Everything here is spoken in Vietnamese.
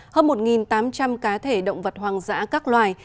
hơn một tám trăm linh cá thể động vật hoang dã các loài